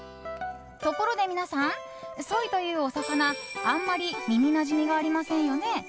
ところで皆さん、ソイというお魚あまり耳なじみがありませんよね。